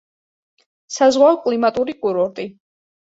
საზღვაო კლიმატური კურორტი.